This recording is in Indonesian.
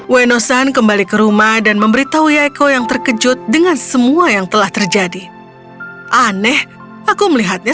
ueno san naik kereta ke tempat kerjanya